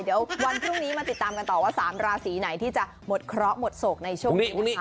เดี๋ยววันพรุ่งนี้มาติดตามกันต่อว่า๓ราศีไหนที่จะหมดเคราะห์หมดโศกในช่วงนี้นะคะ